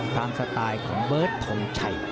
ทางสไตล์ของเบิร์ดโถงชัย